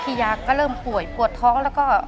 ยาก็เริ่มป่วยปวดท้องแล้วก็